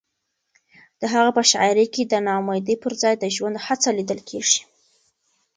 د هغه په شاعرۍ کې د ناامیدۍ پر ځای د ژوند هڅه لیدل کېږي.